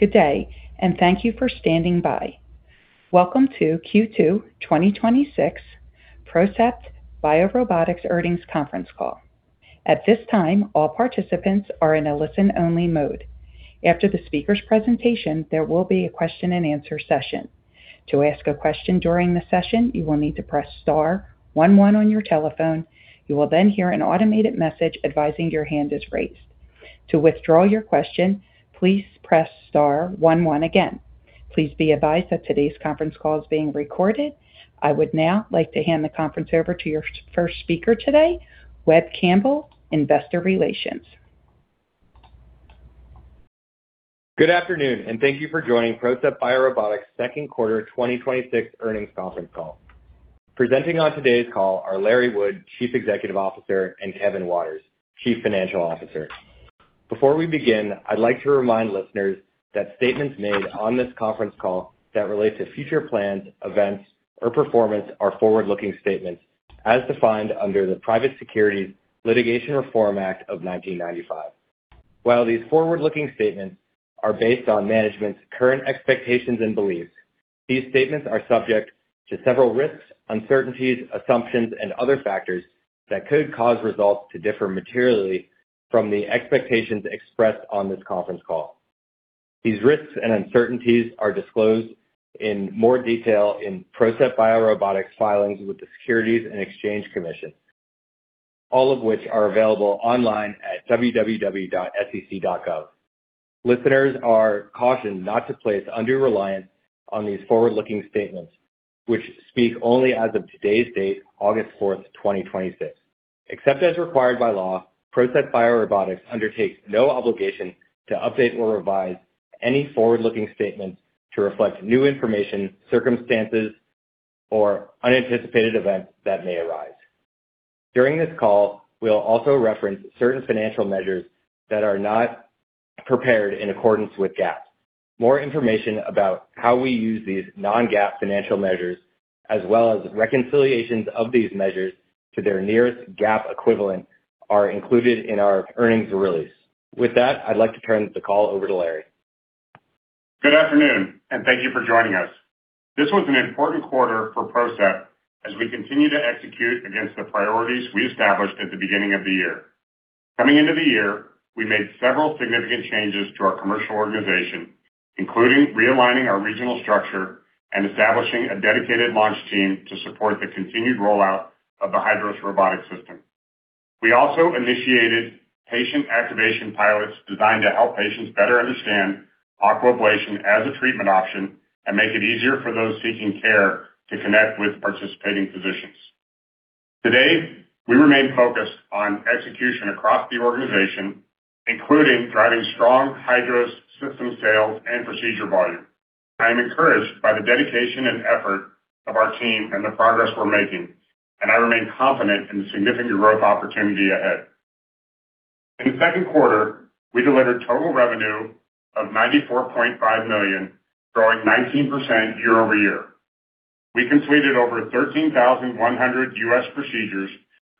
Good day, and thank you for standing by. Welcome to Q2 2026 PROCEPT BioRobotics earnings conference call. At this time, all participants are in a listen-only mode. After the speaker's presentation, there will be a question and answer session. To ask a question during the session, you will need to press star one one on your telephone. You will then hear an automated message advising your hand is raised. To withdraw your question, please press star one one again. Please be advised that today's conference call is being recorded. I would now like to hand the conference over to your first speaker today, Webb Campbell, Investor Relations. Good afternoon, and thank you for joining PROCEPT BioRobotics second quarter 2026 earnings conference call. Presenting on today's call are Larry Wood, Chief Executive Officer, and Kevin Waters, Chief Financial Officer. Before we begin, I'd like to remind listeners that statements made on this conference call that relate to future plans, events, or performance are forward-looking statements as defined under the Private Securities Litigation Reform Act of 1995. While these forward-looking statements are based on management's current expectations and beliefs, these statements are subject to several risks, uncertainties, assumptions, and other factors that could cause results to differ materially from the expectations expressed on this conference call. These risks and uncertainties are disclosed in more detail in PROCEPT BioRobotics filings with the Securities and Exchange Commission, all of which are available online at www.sec.gov. Listeners are cautioned not to place undue reliance on these forward-looking statements, which speak only as of today's date, August fourth, 2026. Except as required by law, PROCEPT BioRobotics undertakes no obligation to update or revise any forward-looking statements to reflect new information, circumstances, or unanticipated events that may arise. During this call, we'll also reference certain financial measures that are not prepared in accordance with GAAP. More information about how we use these non-GAAP financial measures, as well as reconciliations of these measures to their nearest GAAP equivalent, are included in our earnings release. With that, I'd like to turn the call over to Larry. Good afternoon, and thank you for joining us. This was an important quarter for PROCEPT as we continue to execute against the priorities we established at the beginning of the year. Coming into the year, we made several significant changes to our commercial organization, including realigning our regional structure and establishing a dedicated launch team to support the continued rollout of the HYDROS Robotic System. We also initiated patient activation pilots designed to help patients better understand Aquablation as a treatment option and make it easier for those seeking care to connect with participating physicians. Today, we remain focused on execution across the organization, including driving strong HYDROS system sales and procedure volume. I am encouraged by the dedication and effort of our team and the progress we're making, and I remain confident in the significant growth opportunity ahead. In the second quarter, we delivered total revenue of $94.5 million, growing 19% year-over-year. We completed over 13,100 U.S. procedures,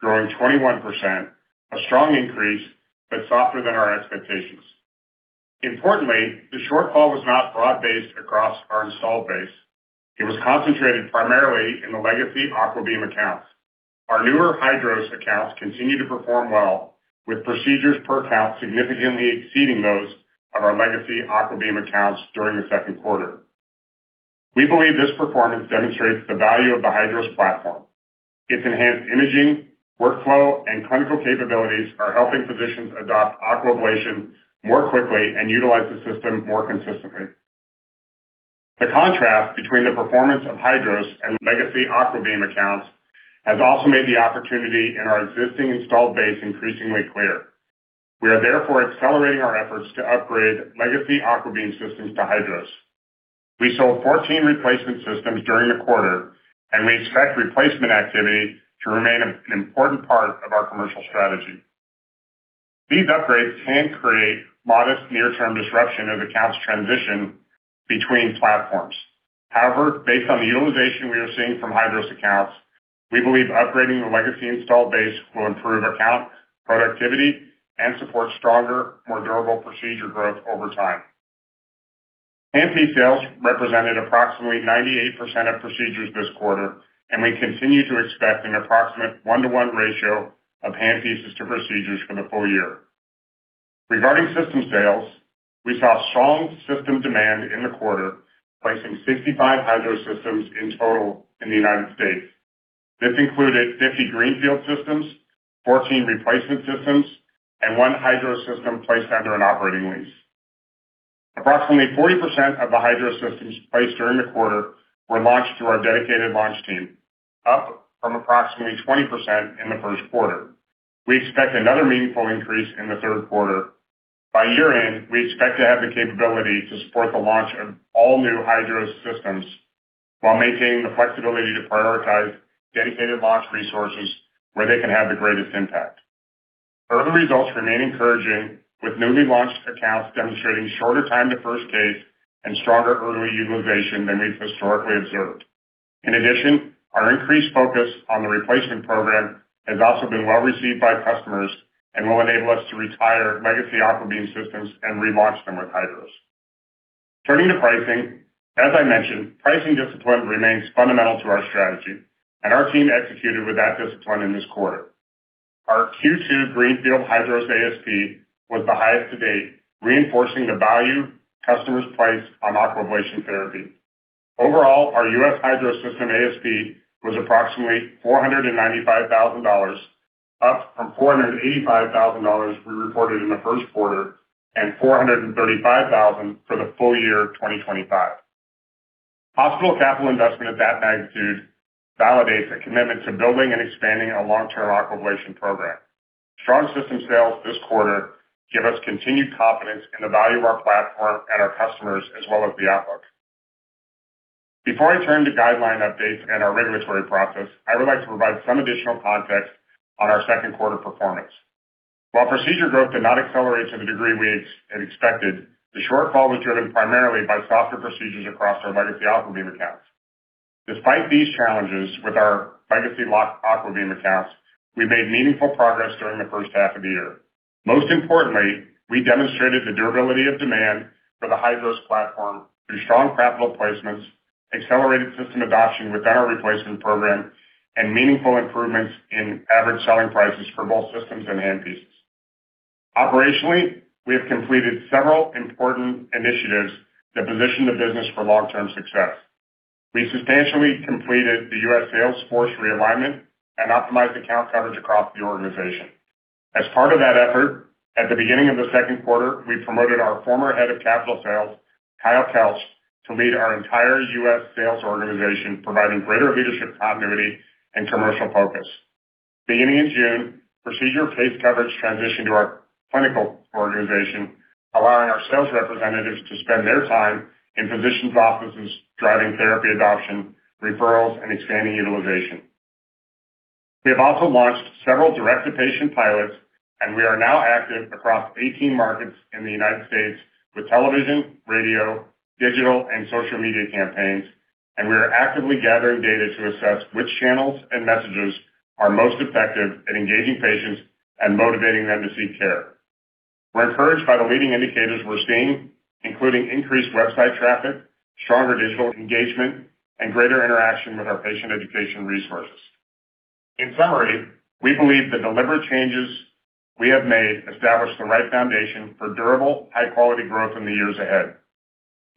growing 21%, a strong increase, but softer than our expectations. Importantly, the shortfall was not broad-based across our installed base. It was concentrated primarily in the legacy AquaBeam accounts. Our newer HYDROS accounts continue to perform well, with procedures per account significantly exceeding those of our legacy AquaBeam accounts during the second quarter. We believe this performance demonstrates the value of the HYDROS platform. Its enhanced imaging, workflow, and clinical capabilities are helping physicians adopt Aquablation more quickly and utilize the system more consistently. The contrast between the performance of HYDROS and legacy AquaBeam accounts has also made the opportunity in our existing installed base increasingly clear. We are therefore accelerating our efforts to upgrade legacy AquaBeam systems to HYDROS. We sold 14 replacement systems during the quarter. We expect replacement activity to remain an important part of our commercial strategy. These upgrades can create modest near-term disruption as accounts transition between platforms. However, based on the utilization we are seeing from HYDROS accounts, we believe upgrading the legacy installed base will improve account productivity and support stronger, more durable procedure growth over time. Handpiece sales represented approximately 98% of procedures this quarter, and we continue to expect an approximate 1-to-1 ratio of handpieces to procedures for the full year. Regarding system sales, we saw strong system demand in the quarter, placing 65 HYDROS systems in total in the U.S. This included 50 greenfield systems, 14 replacement systems, and one HYDROS system placed under an operating lease. Approximately 40% of the HYDROS systems placed during the quarter were launched through our dedicated launch team, up from approximately 20% in the first quarter. We expect another meaningful increase in the third quarter. By year-end, we expect to have the capability to support the launch of all new HYDROS systems while maintaining the flexibility to prioritize dedicated launch resources where they can have the greatest impact. Early results remain encouraging, with newly launched accounts demonstrating shorter time to first case and stronger early utilization than we've historically observed. In addition, our increased focus on the replacement program has also been well received by customers and will enable us to retire legacy AquaBeam systems and relaunch them with HYDROS. Turning to pricing, as I mentioned, pricing discipline remains fundamental to our strategy. Our team executed with that discipline in this quarter. Our Q2 greenfield HYDROS ASP was the highest to date, reinforcing the value customers place on Aquablation therapy. Overall, our U.S. HYDROS system ASP was approximately $495,000, up from $485,000 we reported in the first quarter and $435,000 for the full year of 2025. Hospital capital investment of that magnitude validates the commitment to building and expanding a long-term Aquablation program. Strong system sales this quarter give us continued confidence in the value of our platform and our customers, as well as the outlook. Before I turn to guideline updates and our regulatory process, I would like to provide some additional context on our second quarter performance. While procedure growth did not accelerate to the degree I had expected, the shortfall was driven primarily by softer procedures across our legacy AquaBeam accounts. Despite these challenges with our legacy locked AquaBeam accounts, we made meaningful progress during the first half of the year. Most importantly, we demonstrated the durability of demand for the HYDROS platform through strong capital placements, accelerated system adoption within our replacement program, and meaningful improvements in average selling prices for both systems and handpieces. Operationally, we have completed several important initiatives that position the business for long-term success. We substantially completed the U.S. sales force realignment and optimized account coverage across the organization. As part of that effort, at the beginning of the second quarter, we promoted our former head of capital sales, Kyle Kelch, to lead our entire U.S. sales organization, providing greater leadership continuity and commercial focus. Beginning in June, procedure pace coverage transitioned to our clinical organization, allowing our sales representatives to spend their time in physicians' offices driving therapy adoption, referrals, and expanding utilization. We have also launched several direct-to-patient pilots. We are now active across 18 markets in the United States with television, radio, digital, and social media campaigns. We are actively gathering data to assess which channels and messages are most effective at engaging patients and motivating them to seek care. We're encouraged by the leading indicators we're seeing, including increased website traffic, stronger digital engagement, and greater interaction with our patient education resources. In summary, we believe the deliberate changes we have made establish the right foundation for durable, high-quality growth in the years ahead.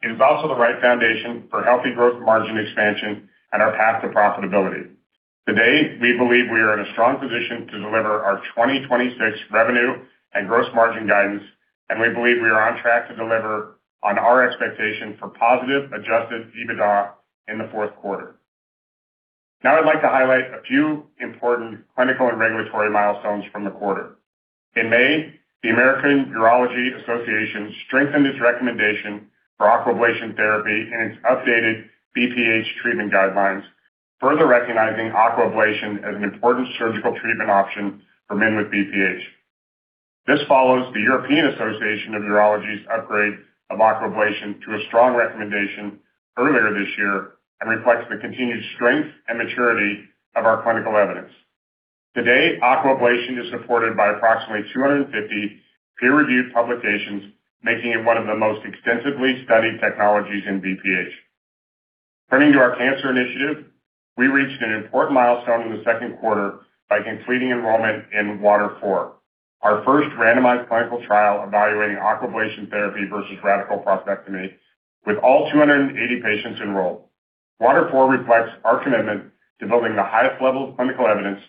It is also the right foundation for healthy growth margin expansion and our path to profitability. Today, we believe we are in a strong position to deliver our 2026 revenue and gross margin guidance, and we believe we are on track to deliver on our expectation for positive adjusted EBITDA in the fourth quarter. Now I'd like to highlight a few important clinical and regulatory milestones from the quarter. In May, the American Urological Association strengthened its recommendation for Aquablation therapy in its updated BPH treatment guidelines, further recognizing Aquablation as an important surgical treatment option for men with BPH. This follows the European Association of Urology's upgrade of Aquablation to a strong recommendation earlier this year and reflects the continued strength and maturity of our clinical evidence. Today, Aquablation is supported by approximately 250 peer-reviewed publications, making it one of the most extensively studied technologies in BPH. Turning to our cancer initiative, we reached an important milestone in the second quarter by completing enrollment in WATER IV, our first randomized clinical trial evaluating Aquablation therapy versus radical prostatectomy, with all 280 patients enrolled. WATER IV reflects our commitment to building the highest level of clinical evidence.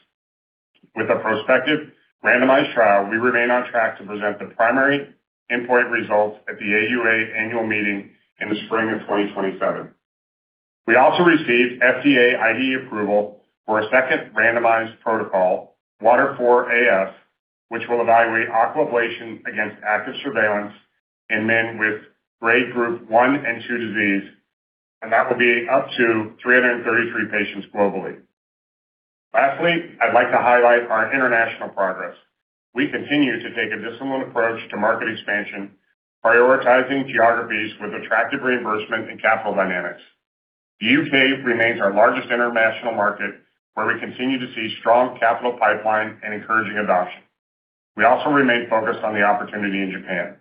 With a prospective randomized trial, we remain on track to present the primary endpoint results at the AUA annual meeting in the spring of 2027. We also received FDA IDE approval for a second randomized protocol, WATER IV AS, which will evaluate Aquablation against active surveillance in men with grade group 1 and 2 disease, and that will be up to 333 patients globally. Lastly, I'd like to highlight our international progress. We continue to take a disciplined approach to market expansion, prioritizing geographies with attractive reimbursement and capital dynamics. The U.K. remains our largest international market, where we continue to see strong capital pipeline and encouraging adoption. We also remain focused on the opportunity in Japan.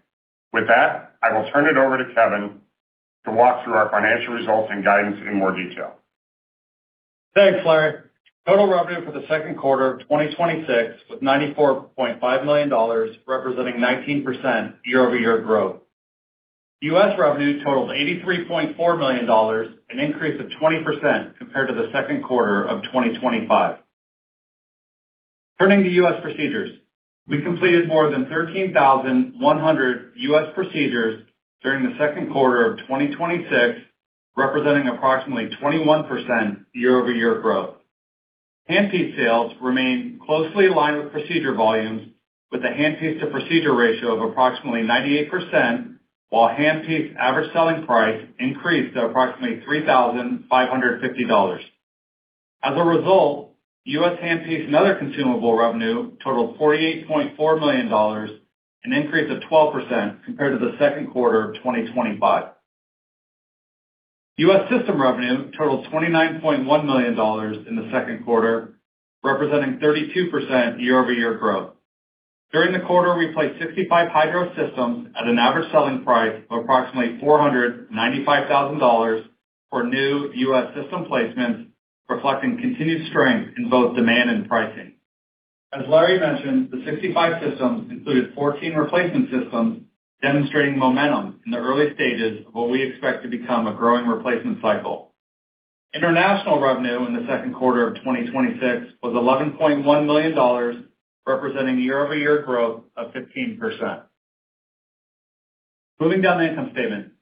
With that, I will turn it over to Kevin to walk through our financial results and guidance in more detail. Thanks, Larry. Total revenue for the second quarter of 2026 was $94.5 million, representing 19% year-over-year growth. U.S. revenue totaled $83.4 million, an increase of 20% compared to the second quarter of 2025. Turning to U.S. procedures, we completed more than 13,100 U.S. procedures during the second quarter of 2026, representing approximately 21% year-over-year growth. Handpiece sales remain closely aligned with procedure volumes, with a handpiece-to-procedure ratio of approximately 98%, while handpiece average selling price increased to approximately $3,550. As a result, U.S. handpiece and other consumable revenue totaled $48.4 million, an increase of 12% compared to the second quarter of 2025. U.S. system revenue totaled $29.1 million in the second quarter, representing 32% year-over-year growth. During the quarter, we placed 65 HYDROS systems at an average selling price of approximately $495,000 for new U.S. system placements, reflecting continued strength in both demand and pricing. As Larry mentioned, the 65 systems included 14 replacement systems, demonstrating momentum in the early stages of what we expect to become a growing replacement cycle. International revenue in the second quarter of 2026 was $11.1 million, representing year-over-year growth of 15%. Moving down the income statement.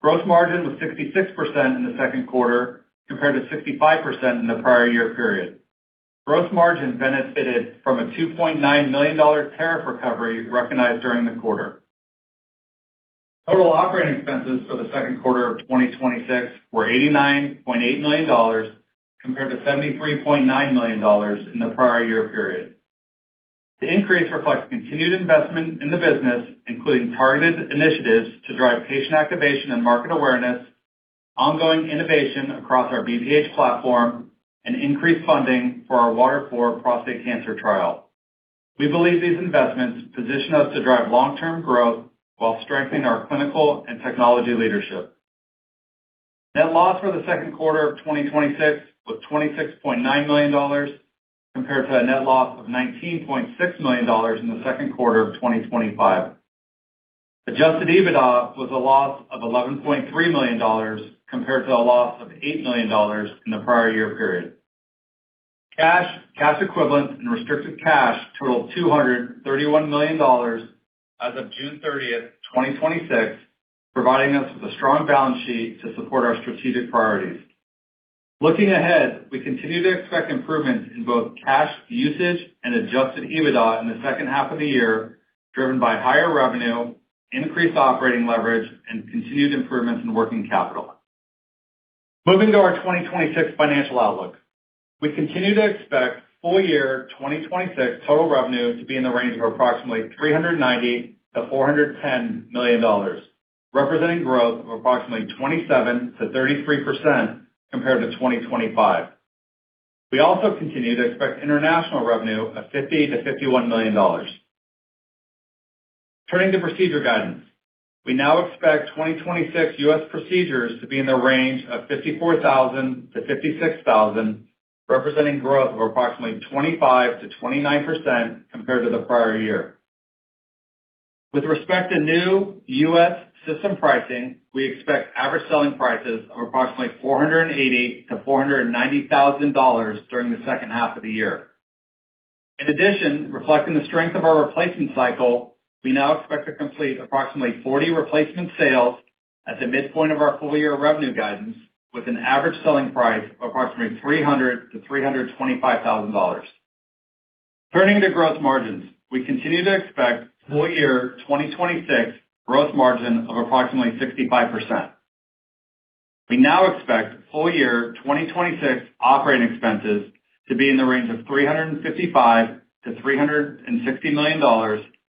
Gross margin was 66% in the second quarter, compared to 65% in the prior year period. Gross margin benefited from a $2.9 million tariff recovery recognized during the quarter. Total operating expenses for the second quarter of 2026 were $89.8 million, compared to $73.9 million in the prior year period. The increase reflects continued investment in the business, including targeted initiatives to drive patient activation and market awareness, ongoing innovation across our BPH platform, and increased funding for our WATER IV prostate cancer trial. We believe these investments position us to drive long-term growth while strengthening our clinical and technology leadership. Net loss for the second quarter of 2026 was $26.9 million, compared to a net loss of $19.6 million in the second quarter of 2025. Adjusted EBITDA was a loss of $11.3 million, compared to a loss of $8 million in the prior year period. Cash, cash equivalents, and restricted cash totaled $231 million as of June 30th, 2026, providing us with a strong balance sheet to support our strategic priorities. Looking ahead, we continue to expect improvements in both cash usage and adjusted EBITDA in the second half of the year, driven by higher revenue, increased operating leverage, and continued improvements in working capital. Moving to our 2026 financial outlook. We continue to expect full year 2026 total revenue to be in the range of approximately $390 million-$410 million, representing growth of approximately 27%-33% compared to 2025. We also continue to expect international revenue of $50 million-$51 million. Turning to procedure guidance. We now expect 2026 U.S. procedures to be in the range of 54,000 to 56,000, representing growth of approximately 25%-29% compared to the prior year. With respect to new U.S. system pricing, we expect average selling prices of approximately $480,000-$490,000 during the second half of the year. In addition, reflecting the strength of our replacement cycle, we now expect to complete approximately 40 replacement sales at the midpoint of our full year revenue guidance, with an average selling price of approximately $300,000-$325,000. Turning to gross margins. We continue to expect full year 2026 gross margin of approximately 65%. We now expect full year 2026 operating expenses to be in the range of $355 million-$360 million,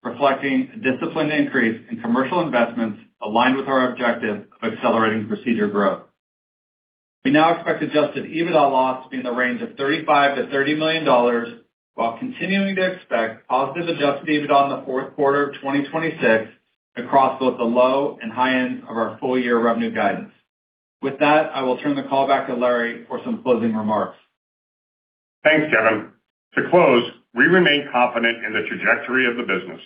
reflecting a disciplined increase in commercial investments aligned with our objective of accelerating procedure growth. We now expect adjusted EBITDA loss to be in the range of $35 million-$30 million while continuing to expect positive adjusted EBITDA in the fourth quarter of 2026 across both the low and high end of our full year revenue guidance. With that, I will turn the call back to Larry for some closing remarks. Thanks, Kevin. To close, we remain confident in the trajectory of the business.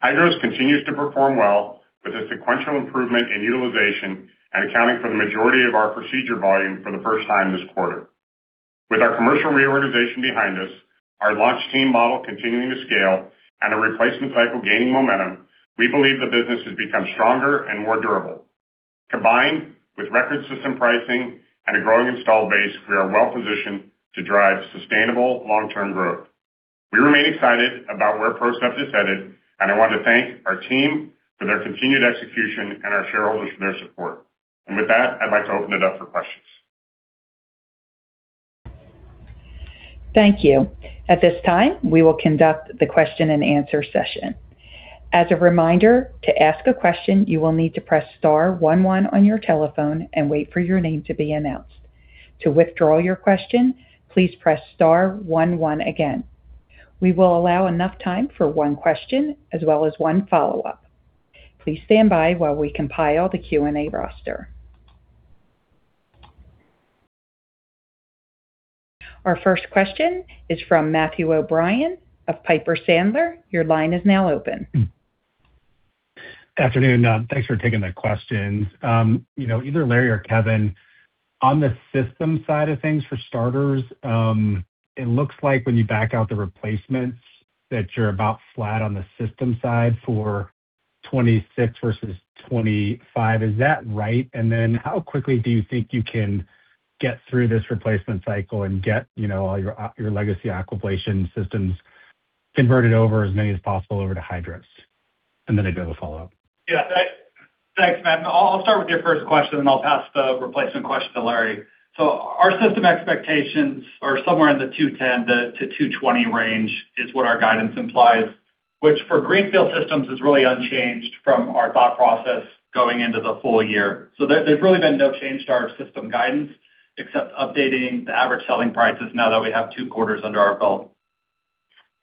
HYDROS continues to perform well with a sequential improvement in utilization and accounting for the majority of our procedure volume for the first time this quarter. With our commercial reorganization behind us, our launch team model continuing to scale, and a replacement cycle gaining momentum, we believe the business has become stronger and more durable. Combined with record system pricing and a growing installed base, we are well positioned to drive sustainable long-term growth. We remain excited about where PROCEPT is headed, and I want to thank our team for their continued execution and our shareholders for their support. With that, I'd like to open it up for questions. Thank you. At this time, we will conduct the question and answer session. As a reminder, to ask a question, you will need to press star one one on your telephone and wait for your name to be announced. To withdraw your question, please press star one one again. We will allow enough time for one question as well as one follow-up. Please stand by while we compile the Q&A roster. Our first question is from Matthew O'Brien of Piper Sandler. Your line is now open. Afternoon. Thanks for taking the questions. Either Larry or Kevin, on the system side of things for starters, it looks like when you back out the replacements that you're about flat on the system side for 2026 versus 2025. Is that right? How quickly do you think you can get through this replacement cycle and get all your legacy Aquablation systems converted over as many as possible over to HYDROS? I do have a follow-up. Thanks, Matthe. I'll start with your first question, then I'll pass the replacement question to Larry. Our system expectations are somewhere in the 210-220 range is what our guidance implies, which for greenfield systems is really unchanged from our thought process going into the full year. There's really been no change to our system guidance except updating the average selling prices now that we have two quarters under our belt.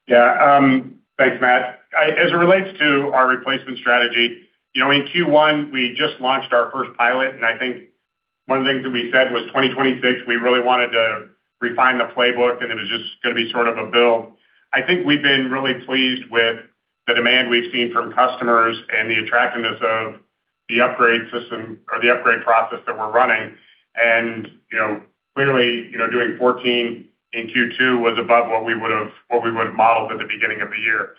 Thanks, Mattew. As it relates to our replacement strategy, in Q1, we just launched our first pilot. I think one of the things that we said was 2026, we really wanted to refine the playbook, and it was just going to be sort of a build. I think we've been really pleased with the demand we've seen from customers and the attractiveness of the upgrade system or the upgrade process that we're running. Clearly, doing 14 in Q2 was above what we would've modeled at the beginning of the year.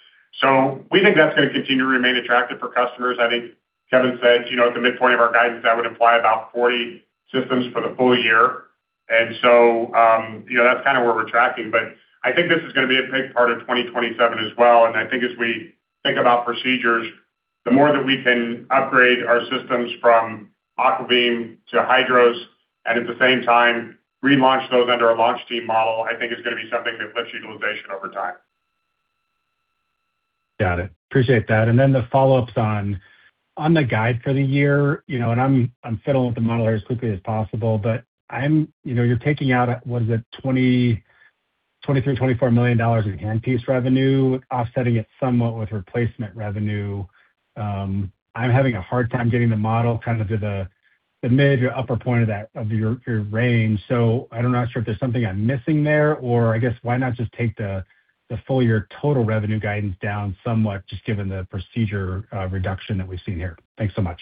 We think that's going to continue to remain attractive for customers. I think Kevin said at the midpoint of our guidance, that would imply about 40 systems for the full year. That's kind of where we're tracking. I think this is going to be a big part of 2027 as well, and I think as we think about procedures, the more that we can upgrade our systems from AquaBeam to HYDROS, and at the same time relaunch those under a launch team model, I think is going to be something that lifts utilization over time. Got it. Appreciate that. The follow-ups on the guide for the year, I'm fiddling with the model here as quickly as possible, you're taking out, what is it, $23 million-$24 million in hand piece revenue, offsetting it somewhat with replacement revenue. I'm having a hard time getting the model kind of to the mid to upper point of your range. I'm not sure if there's something I'm missing there, or I guess why not just take the full year total revenue guidance down somewhat, just given the procedure reduction that we've seen here? Thanks so much.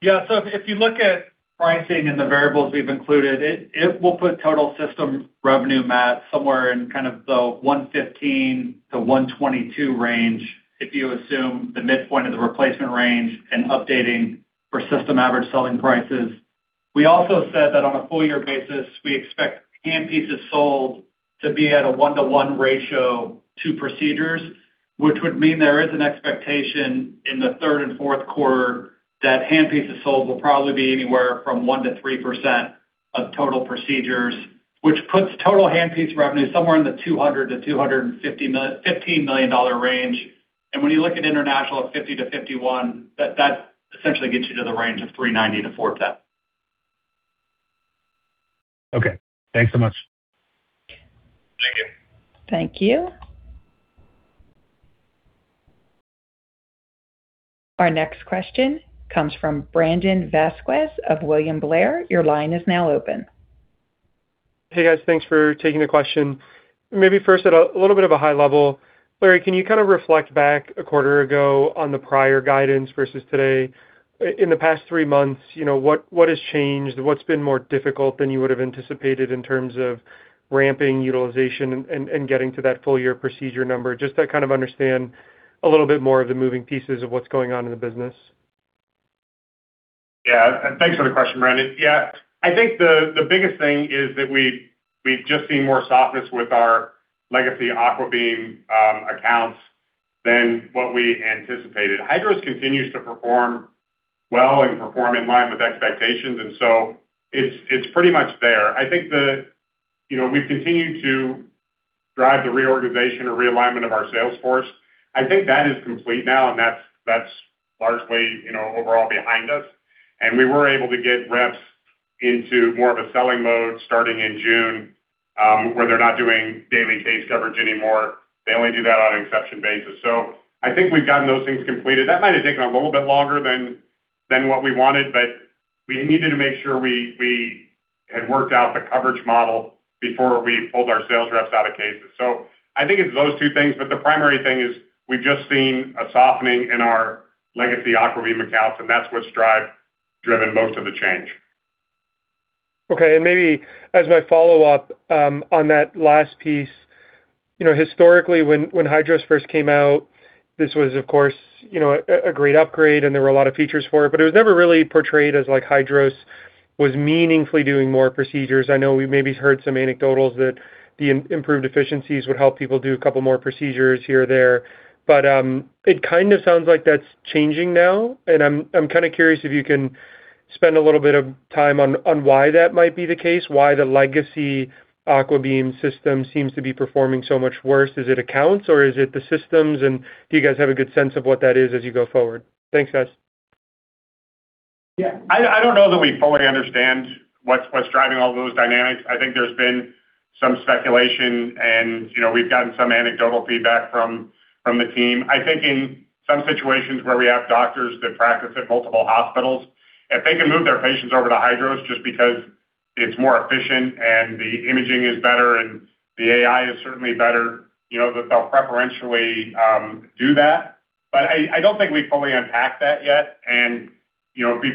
If you look at pricing and the variables we've included, it will put total system revenue, Matt, somewhere in kind of the $115 million-$122 million range if you assume the midpoint of the replacement range and updating for system average selling prices. We also said that on a full year basis, we expect hand pieces sold to be at a 1-to-1 ratio to procedures, which would mean there is an expectation in the third and fourth quarter that hand pieces sold will probably be anywhere from 1%-3% of total procedures, which puts total hand piece revenue somewhere in the $200 million-$215 million range. When you look at international at $50 million-$51 million, that essentially gets you to the range of $390 million-$410 million. Thanks so much. Thank you. Thank you. Our next question comes from Brandon Vazquez of William Blair. Your line is now open. Hey, guys. Thanks for taking the question. Maybe first at a little bit of a high level, Larry, can you kind of reflect back a quarter ago on the prior guidance versus today? In the past three months, what has changed? What's been more difficult than you would have anticipated in terms of ramping utilization and getting to that full year procedure number? Just to kind of understand a little bit more of the moving pieces of what's going on in the business. Yeah. Thanks for the question, Brandon. Yeah. I think the biggest thing is that we've just seen more softness with our legacy AquaBeam accounts than what we anticipated. HYDROS continues to perform well and perform in line with expectations. It's pretty much there. I think that we've continued to drive the reorganization or realignment of our sales force. I think that is complete now, and that's largely overall behind us. We were able to get reps into more of a selling mode starting in June, where they're not doing daily case coverage anymore. They only do that on an exception basis. I think we've gotten those things completed. That might have taken a little bit longer than what we wanted, but we needed to make sure we had worked out the coverage model before we pulled our sales reps out of cases. I think it's those two things, but the primary thing is we've just seen a softening in our legacy AquaBeam accounts, and that's what's driven most of the change. Okay. Maybe as my follow-up on that last piece, historically when HYDROS first came out, this was of course a great upgrade, and there were a lot of features for it, but it was never really portrayed as like HYDROS was meaningfully doing more procedures. I know we maybe heard some anecdotals that the improved efficiencies would help people do a couple more procedures here or there. It kind of sounds like that's changing now, and I'm kind of curious if you can spend a little bit of time on why that might be the case, why the legacy AquaBeam system seems to be performing so much worse. Is it accounts, or is it the systems? Do you guys have a good sense of what that is as you go forward? Thanks, guys. Yeah. I don't know that we fully understand what's driving all those dynamics. I think there's been some speculation, and we've gotten some anecdotal feedback from the team. I think in some situations where we have doctors that practice at multiple hospitals, if they can move their patients over to HYDROS just because it's more efficient and the imaging is better and the AI is certainly better, that they'll preferentially do that. I don't think we've fully unpacked that yet.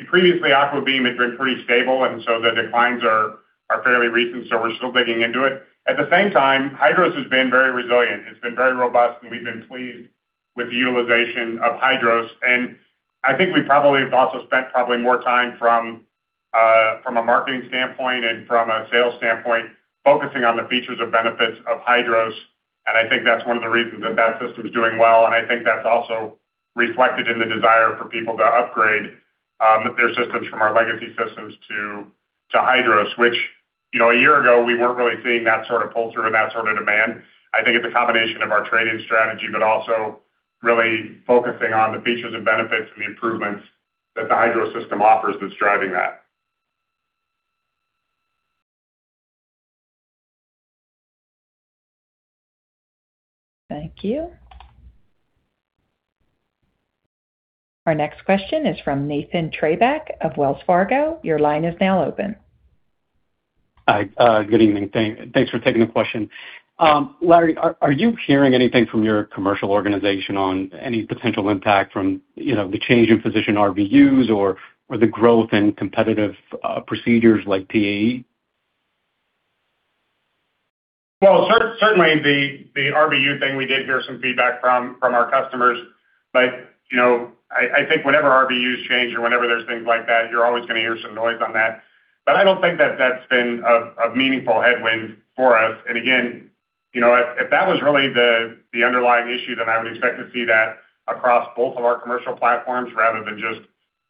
Previously AquaBeam had been pretty stable, the declines are fairly recent, so we're still digging into it. At the same time, HYDROS has been very resilient. It's been very robust, and we've been pleased with the utilization of HYDROS. I think we probably have also spent probably more time from a marketing standpoint and from a sales standpoint, focusing on the features and benefits of HYDROS, and I think that's one of the reasons that that system's doing well, and I think that's also reflected in the desire for people to upgrade their systems from our legacy systems to HYDROS, which a year ago we weren't really seeing that sort of pull-through and that sort of demand. I think it's a combination of our trading strategy, also really focusing on the features and benefits and the improvements that the HYDROS system offers that's driving that. Thank you. Our next question is from Nathan Treybeck of Wells Fargo. Your line is now open. Hi. Good evening. Thanks for taking the question. Larry, are you hearing anything from your commercial organization on any potential impact from the change in physician RVUs or the growth in competitive procedures like PAE? Certainly the RVU thing we did hear some feedback from our customers. I think whenever RVUs change or whenever there's things like that, you're always going to hear some noise on that. I don't think that's been a meaningful headwind for us. Again, if that was really the underlying issue, then I would expect to see that across both of our commercial platforms rather than just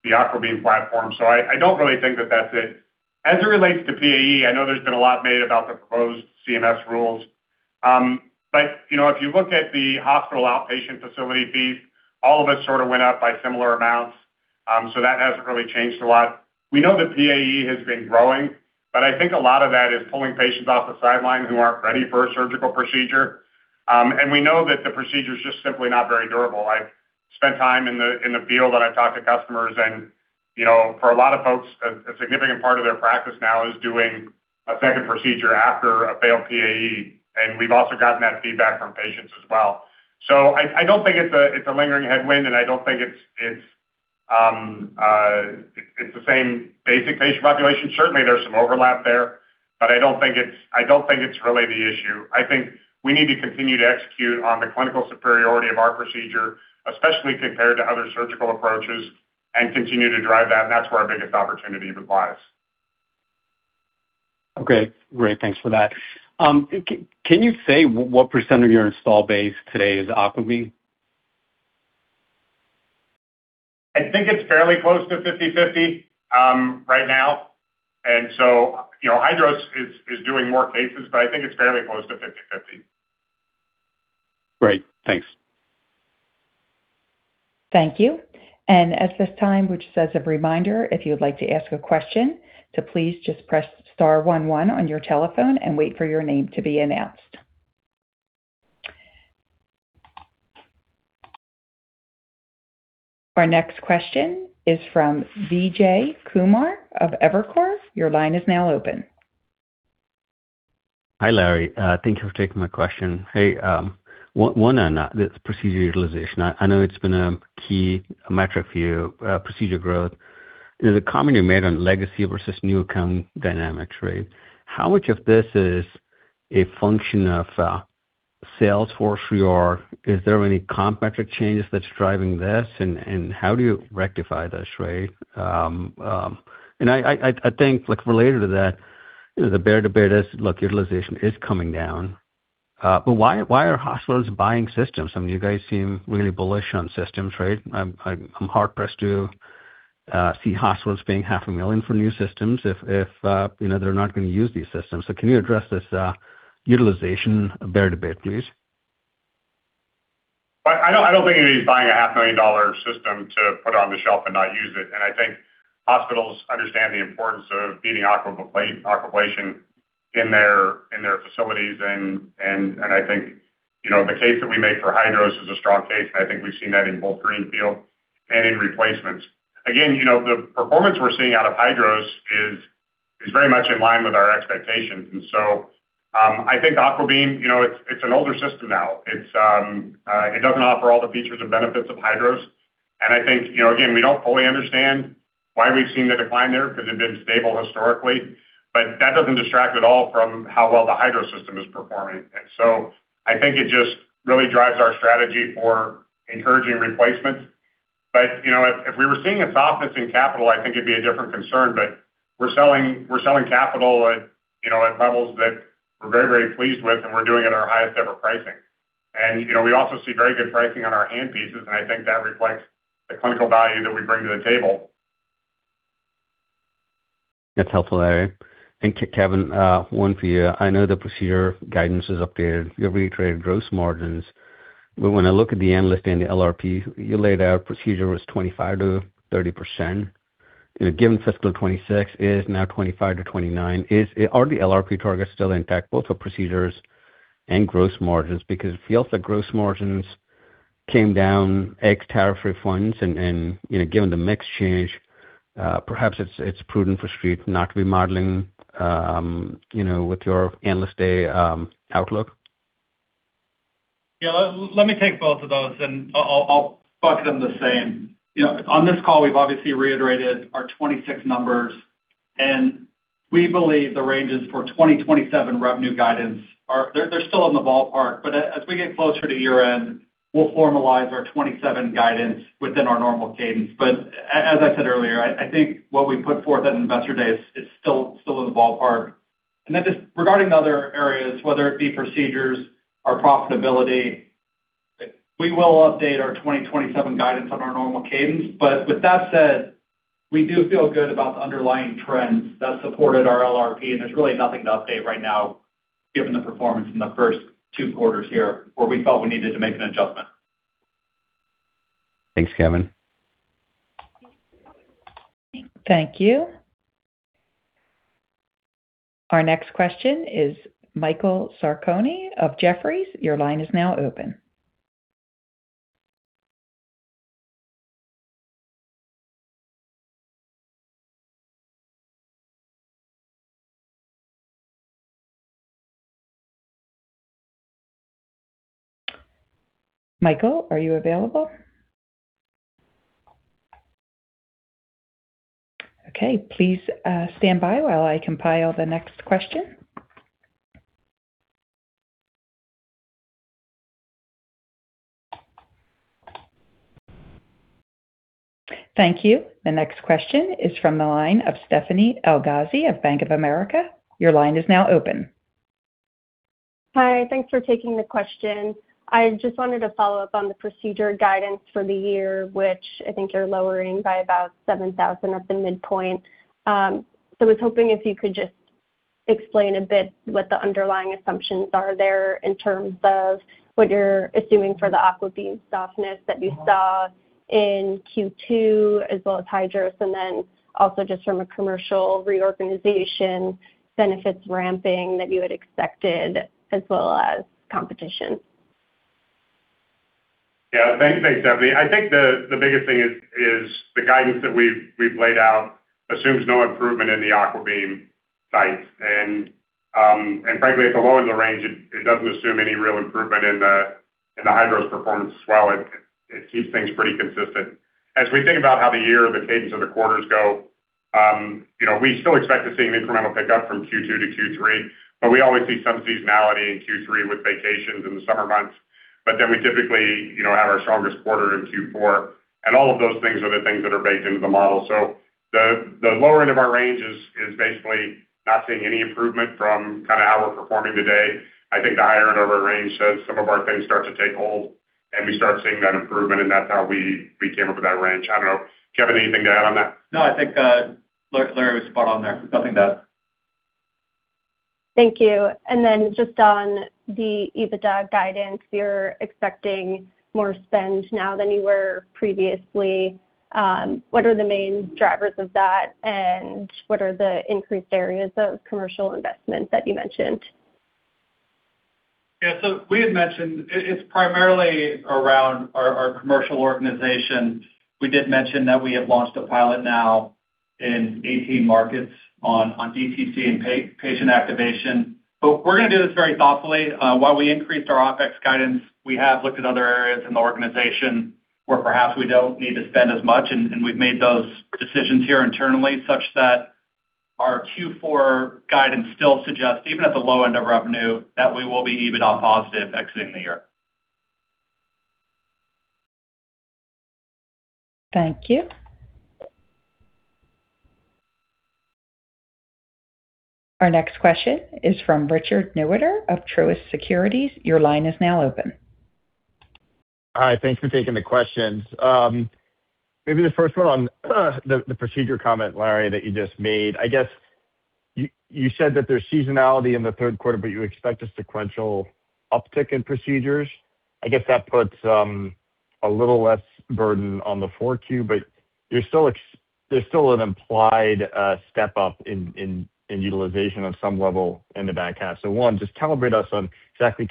the AquaBeam platform. I don't really think that that's it. As it relates to PAE, I know there's been a lot made about the proposed CMS rules. If you look at the hospital outpatient facility fees, all of it sort of went up by similar amounts. That hasn't really changed a lot. We know that PAE has been growing, but I think a lot of that is pulling patients off the sidelines who aren't ready for a surgical procedure. We know that the procedure is just simply not very durable. I've spent time in the field, and I've talked to customers, and for a lot of folks, a significant part of their practice now is doing a second procedure after a failed PAE. We've also gotten that feedback from patients as well. I don't think it's a lingering headwind, and I don't think it's the same basic patient population. Certainly, there's some overlap there, but I don't think it's really the issue. I think we need to continue to execute on the clinical superiority of our procedure, especially compared to other surgical approaches, and continue to drive that, and that's where our biggest opportunity even lies. Okay, great. Thanks for that. Can you say what percent of your install base today is AquaBeam? I think it's fairly close to 50/50 right now. HYDROS is doing more cases, but I think it's fairly close to 50/50. Great. Thanks. Thank you. At this time, just as a reminder, if you would like to ask a question, to please just press star 11 on your telephone and wait for your name to be announced. Our next question is from Vijay Kumar of Evercore. Your line is now open. Hi, Larry. Thank you for taking my question. Hey, one on this procedure utilization. I know it's been a key metric for you, procedure growth. The comment you made on legacy versus new account dynamics, right? How much of this is a function of Salesforce reorg? Is there any comp metric changes that's driving this? How do you rectify this, right? I think related to that, the peer-to-peer utilization is coming down. Why are hospitals buying systems? You guys seem really bullish on systems, right? I'm hard-pressed to see hospitals paying half a million for new systems if they're not going to use these systems. Can you address this utilization peer debate, please? I don't think anybody's buying a half-million-dollar system to put it on the shelf and not use it. I think hospitals understand the importance of needing Aquablation in their facilities, and I think the case that we make for Hydros is a strong case, and I think we've seen that in both greenfield and in replacements. Again, the performance we're seeing out of Hydros is very much in line with our expectations. I think Aquabeam, it's an older system now. It doesn't offer all the features and benefits of Hydros, and I think, again, we don't fully understand why we've seen the decline there because it's been stable historically. That doesn't distract at all from how well the Hydros system is performing. I think it just really drives our strategy for encouraging replacements. If we were seeing a softness in capital, I think it'd be a different concern, but we're selling capital at levels that we're very, very pleased with, and we're doing at our highest-ever pricing. We also see very good pricing on our hand pieces, and I think that reflects the clinical value that we bring to the table. That's helpful, Larry. Kevin, one for you. I know the procedure guidance is updated. You've reiterated gross margins. When I look at the Analyst Day and the LRP you laid out, procedure was 25%-30%. Given FY 2026 is now 25%-29%. Are the LRP targets still intact both for procedures and gross margins? It feels that gross margins came down ex tariff refunds, and given the mix change, perhaps it's prudent for Street not to be modeling with your Analyst Day outlook. Let me take both of those. I'll bucket them the same. On this call, we've obviously reiterated our 2026 numbers. The ranges for 2027 revenue guidance are still in the ballpark. As we get closer to year-end, we'll formalize our 2027 guidance within our normal cadence. As I said earlier, I think what we put forth at Investor Day is still in the ballpark. Just regarding the other areas, whether it be procedures or profitability, we will update our 2027 guidance on our normal cadence. With that said, we do feel good about the underlying trends that supported our LRP, and there's really nothing to update right now, given the performance in the first two quarters here, where we felt we needed to make an adjustment. Thanks, Kevin. Thank you. Our next question is Michael Sarcone of Jefferies. Your line is now open. Michael, are you available? Okay, please stand by while I compile the next question. Thank you. The next question is from the line of Stephanie Elghazi of Bank of America. Your line is now open. Hi. Thanks for taking the question. I just wanted to follow up on the procedure guidance for the year, which I think you're lowering by about 7,000 at the midpoint. I was hoping if you could just explain a bit what the underlying assumptions are there in terms of what you're assuming for the AquaBeam softness that you saw in Q2, as well as HYDROS, and then also just from a commercial reorganization benefits ramping that you had expected as well as competition. Yeah. Thanks, Stephanie. I think the biggest thing is the guidance that we've laid out assumes no improvement in the AquaBeam sites. Frankly, at the lower end of the range, it doesn't assume any real improvement in the HYDROS performance as well. It keeps things pretty consistent. As we think about how the year or the cadence of the quarters go, we still expect to see an incremental pickup from Q2 to Q3, but we always see some seasonality in Q3 with vacations in the summer months. We typically have our strongest quarter in Q4, and all of those things are the things that are baked into the model. The lower end of our range is basically not seeing any improvement from how we're performing today. I think the higher end of our range says some of our things start to take hold and we start seeing that improvement, and that's how we came up with that range. I don't know, Kevin, anything to add on that? No, I think Larry was spot on there. Nothing to add. Thank you. Just on the EBITDA guidance, you're expecting more spend now than you were previously. What are the main drivers of that, and what are the increased areas of commercial investment that you mentioned? Yeah. We had mentioned it's primarily around our commercial organization. We did mention that we have launched a pilot now in 18 markets on DTC and patient activation. We're going to do this very thoughtfully. While we increased our OpEx guidance, we have looked at other areas in the organization where perhaps we don't need to spend as much, and we've made those decisions here internally, such that our Q4 guidance still suggests, even at the low end of revenue, that we will be EBITDA positive exiting the year. Thank you. Our next question is from Richard Newitter of Truist Securities. Your line is now open. Hi. Thanks for taking the questions. Maybe the first one on the procedure comment, Larry, that you just made. I guess you said that there's seasonality in the third quarter, but you expect a sequential uptick in procedures. I guess that puts a little less burden on the 4Q, but there's still an implied step-up in utilization on some level in the back half. One, just calibrate us on exactly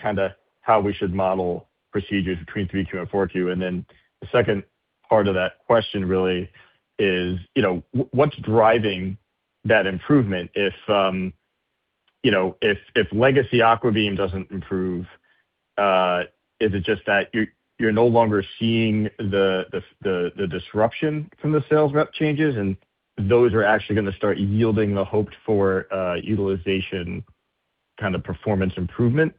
how we should model procedures between 3Q and 4Q. And then the second part of that question really is what's driving that improvement if legacy AquaBeam doesn't improve? Is it just that you're no longer seeing the disruption from the sales rep changes and those are actually going to start yielding the hoped-for utilization kind of performance improvement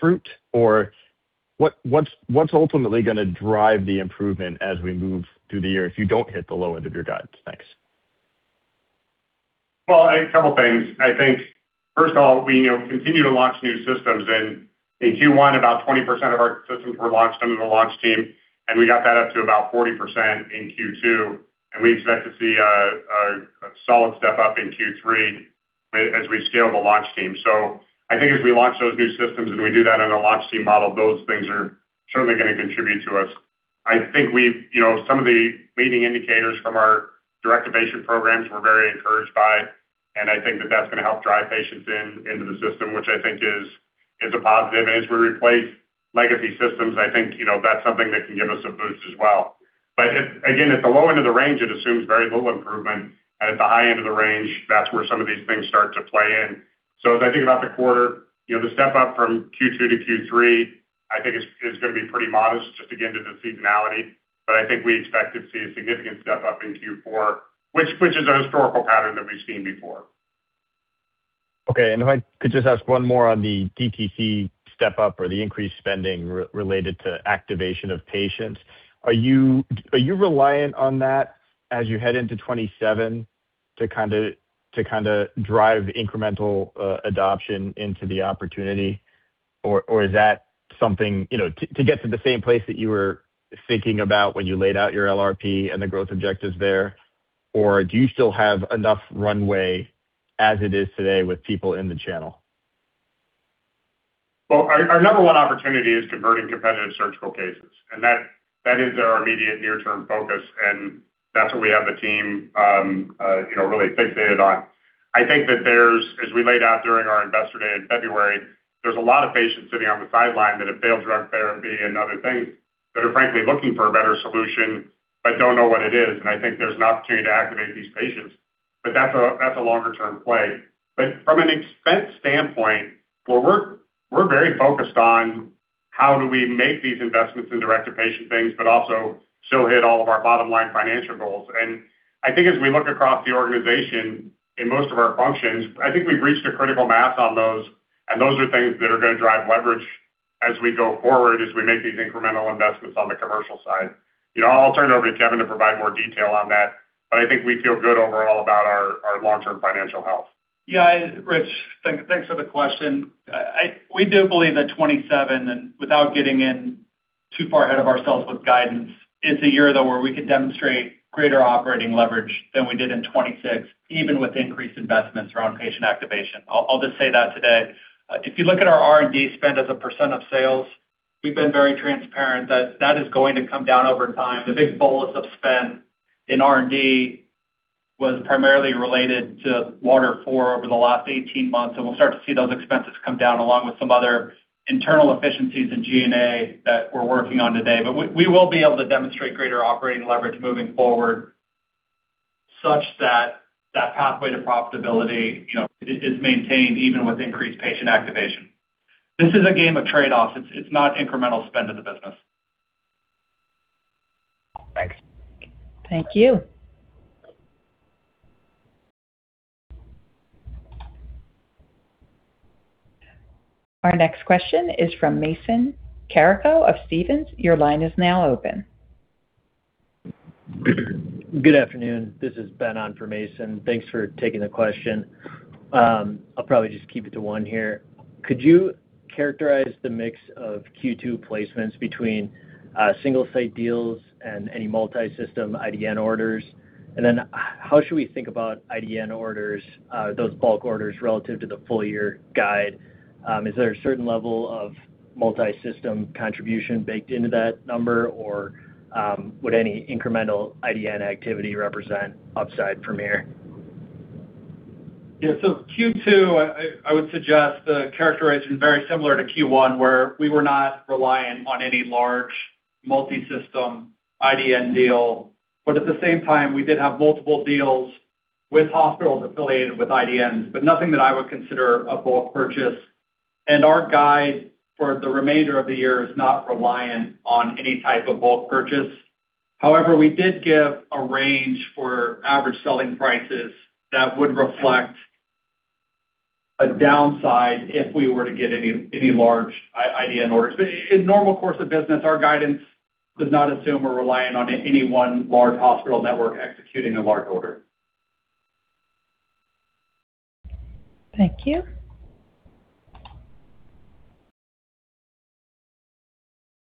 fruit? What's ultimately going to drive the improvement as we move through the year if you don't hit the low end of your guidance? Thanks. Well, a couple things. I think, first of all, we continue to launch new systems, and in Q1, about 20% of our systems were launched under the launch team, and we got that up to about 40% in Q2, and we expect to see a solid step-up in Q3 as we scale the launch team. I think as we launch those new systems and we do that in a launch team model, those things are certainly going to contribute to us. I think some of the leading indicators from our direct innovation programs we're very encouraged by, and I think that that's going to help drive patients into the system, which I think is a positive. As we replace legacy systems, I think that's something that can give us a boost as well. Again, at the low end of the range, it assumes very little improvement, and at the high end of the range, that's where some of these things start to play in. As I think about the quarter, the step up from Q2 to Q3, I think is going to be pretty modest, just again to the seasonality. I think we expect to see a significant step up in Q4, which is a historical pattern that we've seen before. Okay. If I could just ask one more on the DTC step up or the increased spending related to activation of patients. Are you reliant on that as you head into 2027 to drive incremental adoption into the opportunity? Or is that something, to get to the same place that you were thinking about when you laid out your LRP and the growth objectives there, or do you still have enough runway as it is today with people in the channel? Well, our number one opportunity is converting competitive surgical cases, and that is our immediate near-term focus, and that's what we have the team really fixated on. I think that as we laid out during our Investor Day in February, there's a lot of patients sitting on the sideline that have failed drug therapy and other things that are frankly looking for a better solution but don't know what it is. I think there's an opportunity to activate these patients, but that's a longer-term play. From an expense standpoint, we're very focused on how do we make these investments in direct-to-patient things, but also still hit all of our bottom-line financial goals. I think as we look across the organization, in most of our functions, I think we've reached a critical mass on those, and those are things that are going to drive leverage as we go forward, as we make these incremental investments on the commercial side. I'll turn it over to Kevin to provide more detail on that. I think we feel good overall about our long-term financial health. Rich, thanks for the question. We do believe that 2027, and without getting in too far ahead of ourselves with guidance, is the year, though, where we could demonstrate greater operating leverage than we did in 2026, even with increased investments around patient activation. I'll just say that today. If you look at our R&D spend as a percent of sales, we've been very transparent that that is going to come down over time. The big bolus of spend in R&D was primarily related to WATER IV over the last 18 months, and we'll start to see those expenses come down along with some other internal efficiencies in G&A that we're working on today. We will be able to demonstrate greater operating leverage moving forward such that that pathway to profitability is maintained even with increased patient activation. This is a game of trade-offs. It's not incremental spend of the business. Thanks. Thank you. Our next question is from Mason Carrico of Stephens. Your line is now open. Good afternoon. This is Ben on for Mason. Thanks for taking the question. I'll probably just keep it to one here. Could you characterize the mix of Q2 placements between single site deals and any multi-system IDN orders? How should we think about IDN orders, those bulk orders relative to the full year guide? Is there a certain level of multi-system contribution baked into that number, or would any incremental IDN activity represent upside from here? Yeah. Q2, I would suggest the characterization is very similar to Q1, where we were not reliant on any large multi-system IDN deal. At the same time, we did have multiple deals with hospitals affiliated with IDNs, but nothing that I would consider a bulk purchase. Our guide for the remainder of the year is not reliant on any type of bulk purchase. However, we did give a range for average selling prices that would reflect a downside if we were to get any large IDN orders. In normal course of business, our guidance does not assume we're reliant on any one large hospital network executing a large order. Thank you.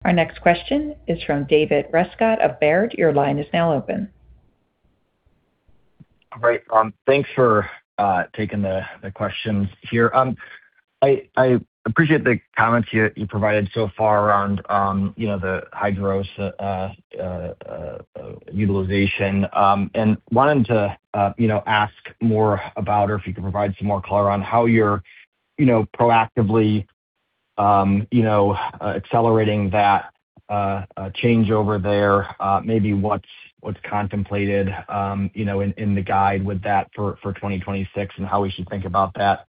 Our next question is from David Rescott of Baird. Your line is now open. All right. Thanks for taking the questions here. I appreciate the comments you provided so far around the HYDROS utilization. Wanted to ask more about, or if you could provide some more color on how you're proactively accelerating that changeover there. Maybe what's contemplated in the guide with that for 2026, and how we should think about that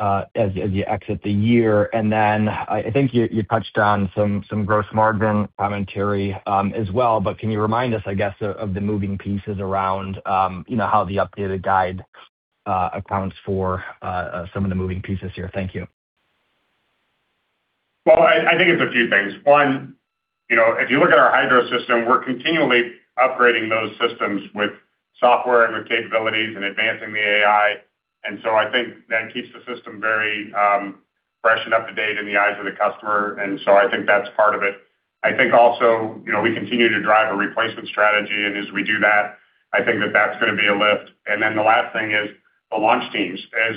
as you exit the year. I think you touched on some gross margin commentary as well, but can you remind us, I guess, of the moving pieces around how the updated guide accounts for some of the moving pieces here? Thank you. Well, I think it's a few things. One, if you look at our HYDROS system, we're continually upgrading those systems with software and with capabilities and advancing the AI. I think that keeps the system very fresh and up to date in the eyes of the customer. I think that's part of it. I think also, we continue to drive a replacement strategy, and as we do that, I think that that's going to be a lift. The last thing is the launch teams. As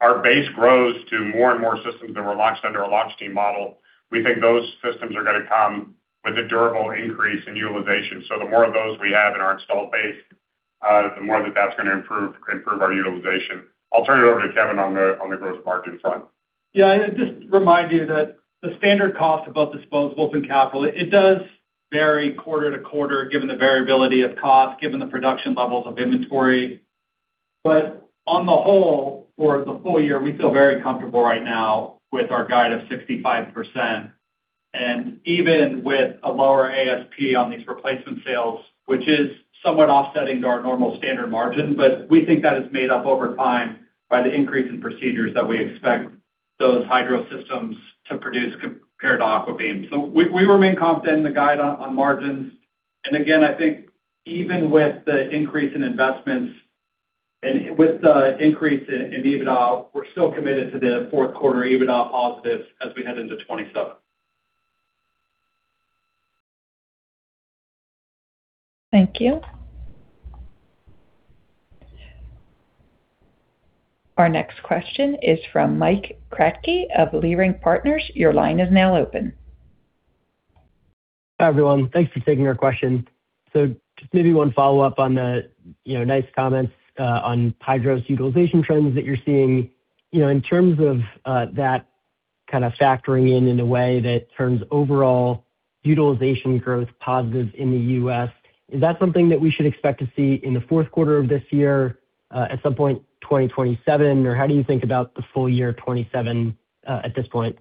our base grows to more and more systems that were launched under a launch team model, we think those systems are going to come with a durable increase in utilization. The more of those we have in our install base, the more that's going to improve our utilization. I'll turn it over to Kevin on the gross margin front. Yeah. Just to remind you that the standard cost of both disposables and capital, it does vary quarter-to-quarter given the variability of cost, given the production levels of inventory. On the whole, for the full year, we feel very comfortable right now with our guide of 65%. Even with a lower ASP on these replacement sales, which is somewhat offsetting to our normal standard margin, but we think that is made up over time by the increase in procedures that we expect those HYDROS systems to produce compared to AquaBeam. We remain confident in the guide on margins, again, I think even with the increase in investments and with the increase in EBITDA, we're still committed to the fourth quarter EBITDA positive as we head into 2027. Thank you. Our next question is from Mike Kratky of Leerink Partners. Your line is now open. Hi, everyone. Thanks for taking our question. Just maybe one follow-up on the nice comments on HYDROS's utilization trends that you're seeing. In terms of that kind of factoring in a way that turns overall utilization growth positive in the U.S., is that something that we should expect to see in the fourth quarter of this year, at some point 2027, or how do you think about the full year 2027 at this point?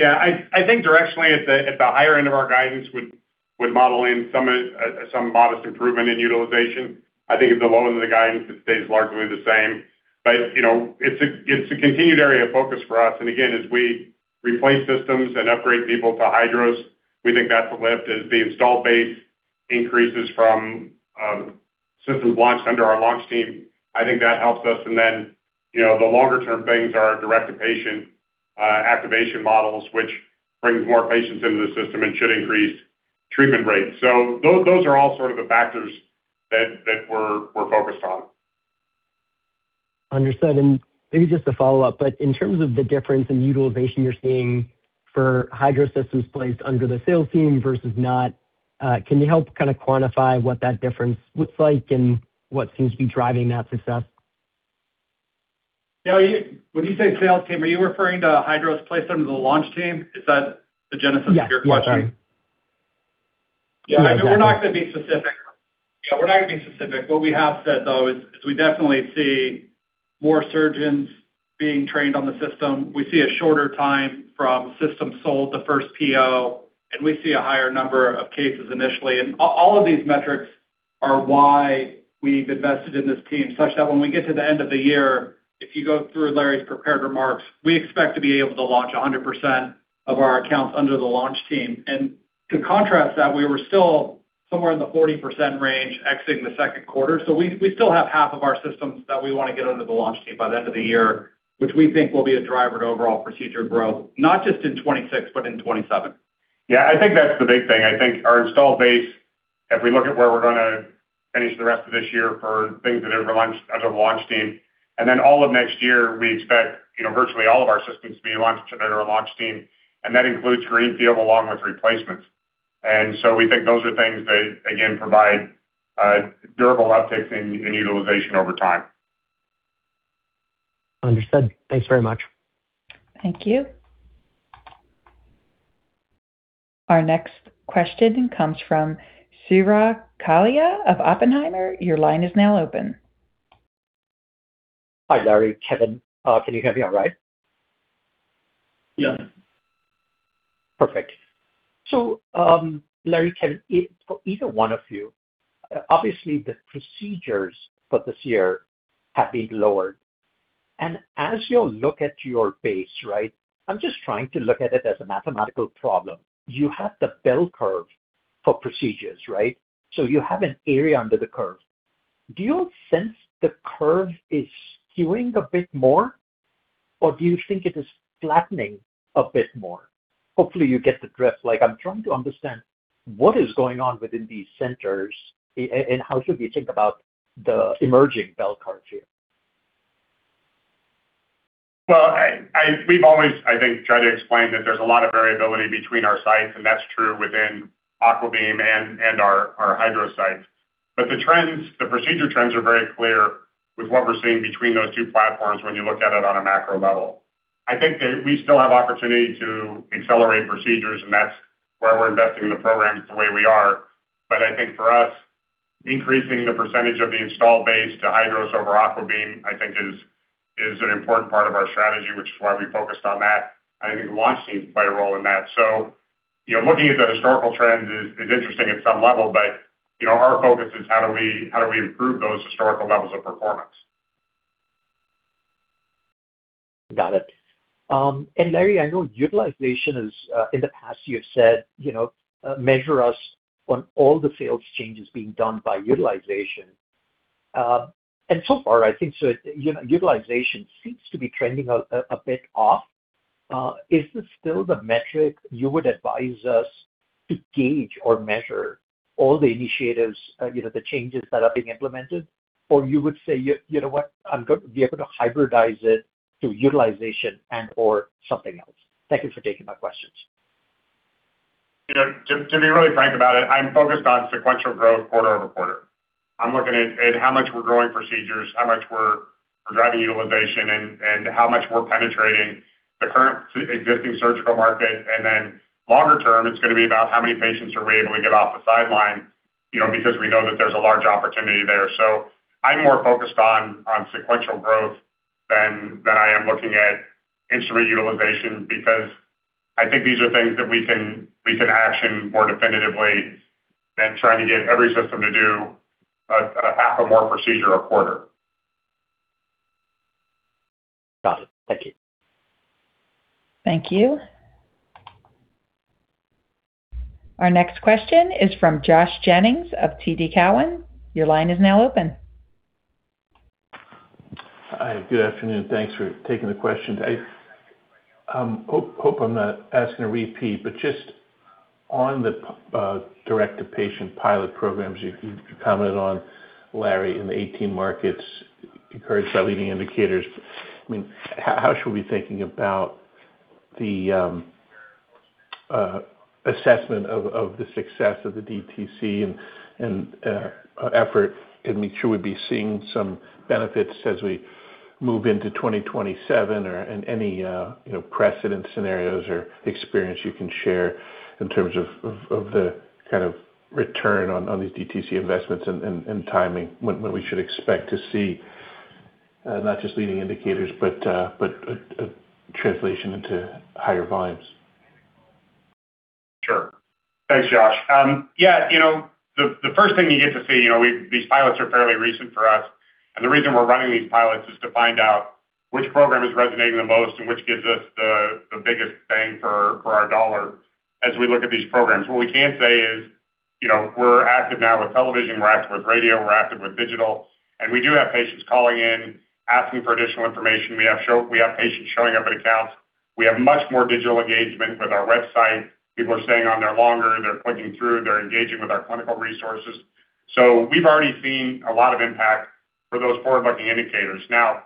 I think directionally at the higher end of our guidance would model in some modest improvement in utilization. I think at the low end of the guidance, it stays largely the same. It's a continued area of focus for us, and again, as we replace systems and upgrade people to HYDROS, we think that's a lift as the installed base increases from systems launched under our launch team. I think that helps us, the longer-term things are direct-to-patient activation models, which brings more patients into the system and should increase treatment rates. Those are all sort of the factors that we're focused on. Understood, maybe just a follow-up, in terms of the difference in utilization you're seeing for HYDROS systems placed under the sales team versus not, can you help kind of quantify what that difference looks like and what seems to be driving that success? When you say sales team, are you referring to HYDROS placed under the launch team? Is that the genesis of your question? Sorry. Yeah. Exactly. We're not going to be specific. What we have said, though, is we definitely see more surgeons being trained on the system. We see a shorter time from system sold to first PO, and we see a higher number of cases initially. All of these metrics are why we've invested in this team such that when we get to the end of the year, if you go through Larry's prepared remarks, we expect to be able to launch 100% of our accounts under the launch team. To contrast that, we were still somewhere in the 40% range exiting the second quarter. We still have half of our systems that we want to get under the launch team by the end of the year, which we think will be a driver to overall procedure growth, not just in 2026 but in 2027. Yeah, I think that's the big thing. I think our installed base, if we look at where we're going to finish the rest of this year for things that are under the launch team, and then all of next year, we expect virtually all of our systems to be launched under our launch team, and that includes greenfield along with replacements. We think those are things that, again, provide durable upticks in utilization over time. Understood. Thanks very much. Thank you. Our next question comes from Suraj Kalia of Oppenheimer. Your line is now open. Hi, Larry, Kevin. Can you hear me all right? Yeah. Perfect. Larry, Kevin, for either one of you. Obviously, the procedures for this year have been lowered. As you look at your base, I'm just trying to look at it as a mathematical problem. You have the bell curve for procedures. You have an area under the curve. Do you sense the curve is skewing a bit more, or do you think it is flattening a bit more? Hopefully, you get the drift. I'm trying to understand what is going on within these centers, and how should we think about the emerging bell curve here? Well, we've always, I think, tried to explain that there's a lot of variability between our sites, and that's true within AquaBeam and our HYDROS sites. The procedure trends are very clear with what we're seeing between those two platforms when you look at it on a macro level. I think that we still have opportunity to accelerate procedures, and that's why we're investing in the programs the way we are. I think for us, increasing the percentage of the installed base to HYDROS over AquaBeam, I think is an important part of our strategy, which is why we focused on that. I think the launch teams play a role in that. Looking at the historical trends is interesting at some level, our focus is how do we improve those historical levels of performance. Got it. Larry, I know utilization is, in the past you have said, measure us on all the sales changes being done by utilization. So far, I think utilization seems to be trending a bit off. Is this still the metric you would advise us to gauge or measure all the initiatives, the changes that are being implemented? You would say, "You know what? I'm going to be able to hybridize it to utilization and/or something else." Thank you for taking my questions. To be really frank about it, I'm focused on sequential growth quarter-over-quarter. I'm looking at how much we're growing procedures, how much we're driving utilization, and how much we're penetrating the current existing surgical market. Longer term, it's going to be about how many patients are we able to get off the sideline, because we know that there's a large opportunity there. I'm more focused on sequential growth than I am looking at instrument utilization, because I think these are things that we can action more definitively than trying to get every system to do a half a more procedure a quarter. Got it. Thank you. Thank you. Our next question is from Josh Jennings of TD Cowen. Your line is now open. Hi. Good afternoon. Thanks for taking the questions. I hope I'm not asking a repeat. Just on the direct-to-patient pilot programs, you commented on, Larry, in the 18 markets, encouraged by leading indicators. How should we be thinking about the assessment of the success of the DTC and effort, make sure we'd be seeing some benefits as we move into 2027 or any precedent scenarios or experience you can share in terms of the kind of return on these DTC investments and timing, when we should expect to see not just leading indicators, but a translation into higher volumes? Sure. Thanks, Josh. Yeah, the first thing you get to see, these pilots are fairly recent for us, and the reason we're running these pilots is to find out which program is resonating the most and which gives us the biggest bang for our $ as we look at these programs. What we can say is we're active now with television, we're active with radio, we're active with digital, and we do have patients calling in, asking for additional information. We have patients showing up at accounts. We have much more digital engagement with our website. People are staying on there longer, they're clicking through, they're engaging with our clinical resources. We've already seen a lot of impact for those forward-looking indicators. Now,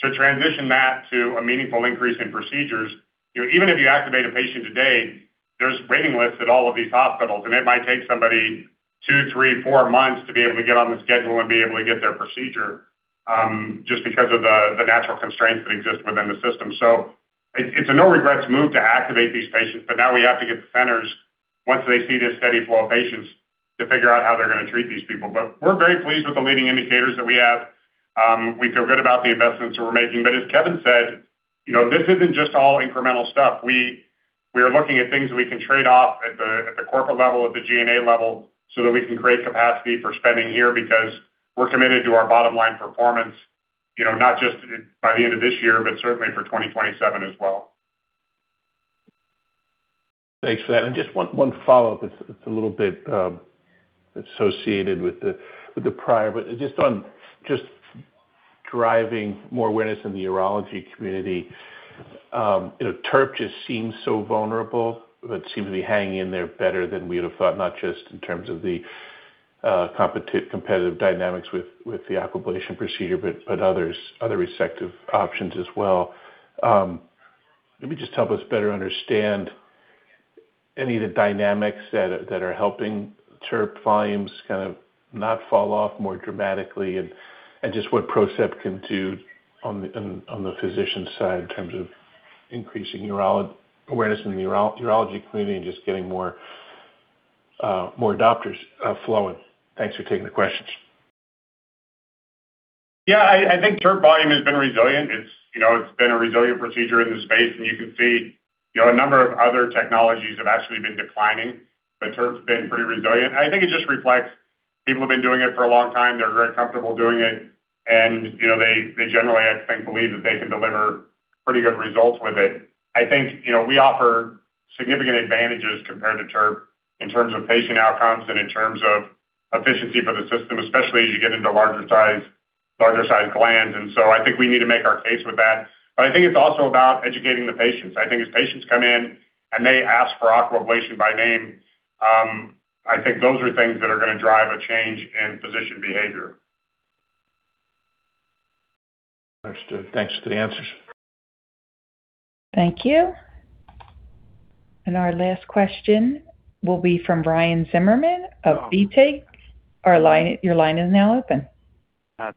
to transition that to a meaningful increase in procedures, even if you activate a patient today, there's waiting lists at all of these hospitals, and it might take somebody two, three, four months to be able to get on the schedule and be able to get their procedure, just because of the natural constraints that exist within the system. It's a no regrets move to activate these patients, but now we have to get the centers, once they see this steady flow of patients, to figure out how they're going to treat these people. We're very pleased with the leading indicators that we have. We feel good about the investments that we're making. As Kevin said, this isn't just all incremental stuff. We are looking at things that we can trade off at the corporate level, at the G&A level, so that we can create capacity for spending here because we're committed to our bottom-line performance, not just by the end of this year, but certainly for 2027 as well. Thanks for that. Just one follow-up. It's a little bit associated with the prior, just on driving more awareness in the urology community. TURP just seems so vulnerable, but seems to be hanging in there better than we'd have thought, not just in terms of the competitive dynamics with the Aquablation procedure, but other resective options as well. Maybe just help us better understand any of the dynamics that are helping TURP volumes kind of not fall off more dramatically and just what PROCEPT can do on the physician side in terms of increasing awareness in the urology community and just getting more adopters flowing. Thanks for taking the questions. I think TURP volume has been resilient. It's been a resilient procedure in the space, and you can see a number of other technologies have actually been declining, but TURP's been pretty resilient. I think it just reflects people have been doing it for a long time. They're very comfortable doing it, and they generally, I think, believe that they can deliver pretty good results with it. I think we offer significant advantages compared to TURP in terms of patient outcomes and in terms of efficiency for the system, especially as you get into larger size glands, and so I think we need to make our case with that. I think it's also about educating the patients. I think as patients come in and they ask for Aquablation by name, I think those are things that are going to drive a change in physician behavior. Understood. Thanks for the answers. Thank you. Our last question will be from Ryan Zimmerman of BTIG. Your line is now open.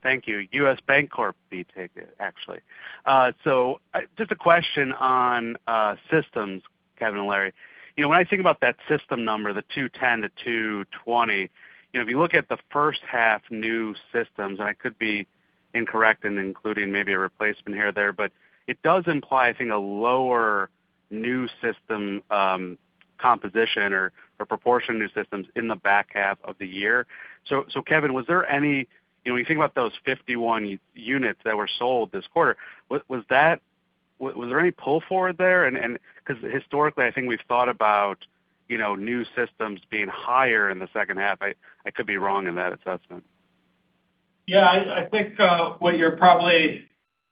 Thank you. U.S. Bank Corp BTIG, actually. Just a question on systems, Kevin and Larry. When I think about that system number, the 210, the 220, if you look at the first half new systems, and I could be incorrect in including maybe a replacement here or there, but it does imply, I think, a lower new system composition or proportion of new systems in the back half of the year. Kevin, when you think about those 51 units that were sold this quarter, was there any pull forward there? Historically, I think we've thought about new systems being higher in the second half. I could be wrong in that assessment. I think what you're probably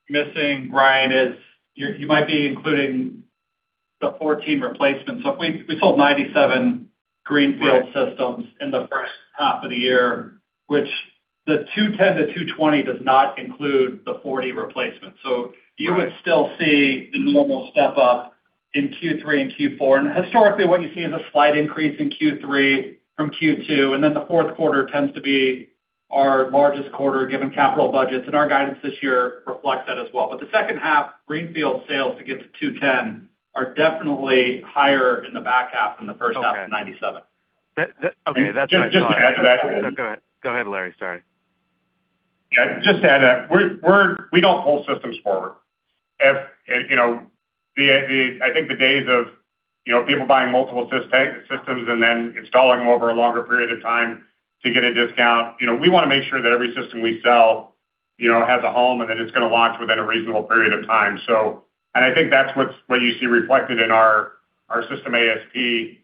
missing, Ryan, is you might be including the 14 replacements. We sold 97 greenfield systems in the first half of the year. The 210 to 220 does not include the 40 replacement. You would still see the normal step-up in Q3 and Q4. Historically, what you see is a slight increase in Q3 from Q2, then the fourth quarter tends to be our largest quarter, given capital budgets, and our guidance this year reflects that as well. The second half greenfield sales to get to 210 are definitely higher in the back half than the first half of 97. Okay. Just to add to that. Go ahead, Larry. Sorry. Yeah, just to add that we don't pull systems forward. I think the days of people buying multiple systems and then installing them over a longer period of time to get a discount, we want to make sure that every system we sell has a home and that it's going to launch within a reasonable period of time. I think that's what you see reflected in our system ASP,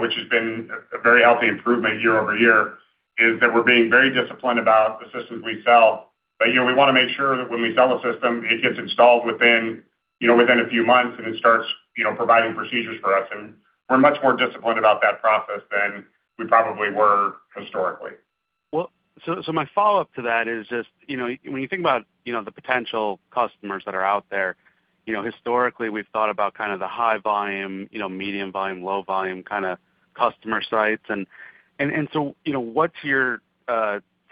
which has been a very healthy improvement year-over-year, is that we're being very disciplined about the systems we sell. We want to make sure that when we sell a system, it gets installed within a few months, and it starts providing procedures for us. We're much more disciplined about that process than we probably were historically. My follow-up to that is just when you think about the potential customers that are out there, historically, we've thought about kind of the high volume, medium volume, low volume customer sites. What's your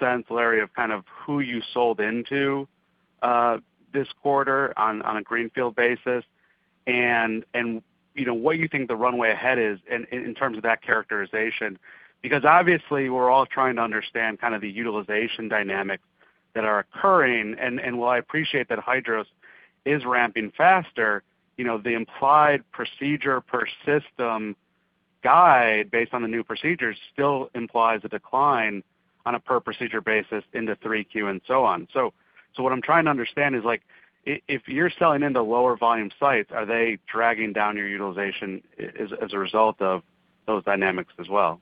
sense, Larry, of kind of who you sold into this quarter on a greenfield basis and what you think the runway ahead is in terms of that characterization? Because obviously, we're all trying to understand the utilization dynamics that are occurring. While I appreciate that HYDROS is ramping faster, the implied procedure per system guide based on the new procedures still implies a decline on a per procedure basis into 3Q and so on. What I'm trying to understand is if you're selling into lower volume sites, are they dragging down your utilization as a result of those dynamics as well?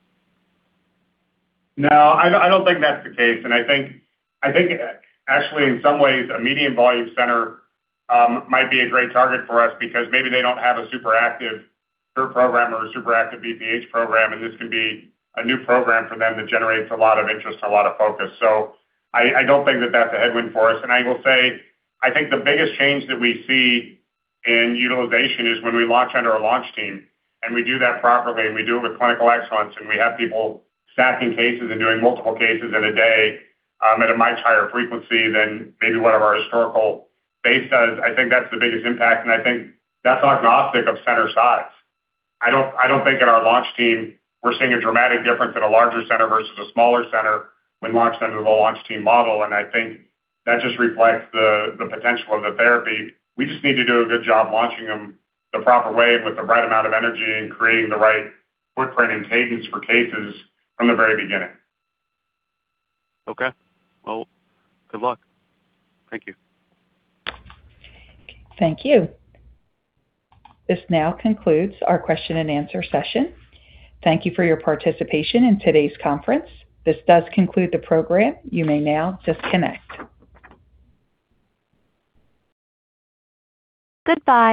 No, I don't think that's the case. I think, actually, in some ways, a medium volume center might be a great target for us because maybe they don't have a super active TURP program or a super active BPH program, and this can be a new program for them that generates a lot of interest and a lot of focus. I don't think that that's a headwind for us. I will say, I think the biggest change that we see in utilization is when we launch under our launch team, and we do that properly, and we do it with clinical excellence, and we have people stacking cases and doing multiple cases in a day at a much higher frequency than maybe what our historical base does. I think that's the biggest impact, and I think that's agnostic of center size. I don't think in our launch team we're seeing a dramatic difference in a larger center versus a smaller center when launched under the launch team model, and I think that just reflects the potential of the therapy. We just need to do a good job launching them the proper way with the right amount of energy and creating the right footprint and cadence for cases from the very beginning. Okay. Well, good luck. Thank you. Thank you. This now concludes our question and answer session. Thank you for your participation in today's conference. This does conclude the program. You may now disconnect. Goodbye